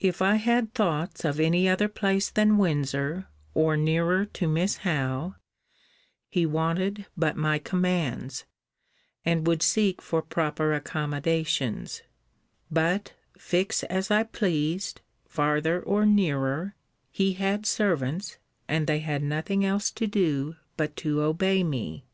If I had thoughts of any other place than Windsor, or nearer to Miss Howe, he wanted but my commands, and would seek for proper accommodations: but, fix as I pleased, farther or nearer, he had servants, and they had nothing else to do but to obey me.